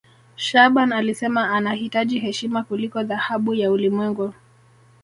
shaaban alisema anahitaji heshima kuliko dhahabu ya ulimwengu